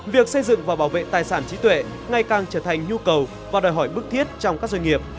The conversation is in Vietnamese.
việc xây dựng và bảo vệ tài sản trí tuệ ngày càng trở thành nhu cầu và đòi hỏi bức thiết trong các doanh nghiệp